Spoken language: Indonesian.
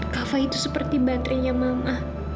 kava itu seperti baterainya mama